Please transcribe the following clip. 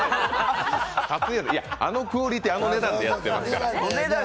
あのクオリティーをあの値段でやってるから。